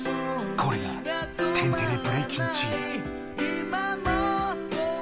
これが天てれブレイキンチーム！